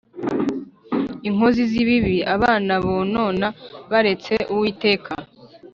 inkozi z’ibibi, abana bonona baretse Uwiteka